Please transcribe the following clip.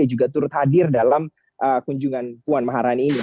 yang juga turut hadir dalam kunjungan puan maharani ini